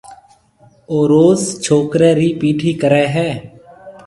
او روز ڇوڪرَي ري پيِٺي ڪرَي ھيََََ